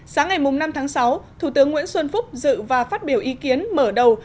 sáng ngày năm tháng sáu thủ tướng nguyễn xuân phúc dự và phát biểu ý kiến mở đầu